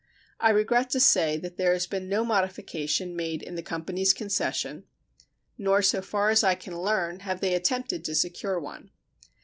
I regret to say that there has been no modification made in the company's concession, nor, so far as I can learn, have they attempted to secure one.